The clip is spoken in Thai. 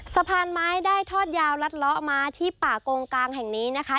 สะพานไม้ได้ทอดยาวรัดเลาะมาที่ป่ากงกลางแห่งนี้นะคะ